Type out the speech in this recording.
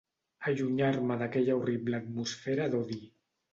Allunyar-me d'aquella horrible atmosfera d'odi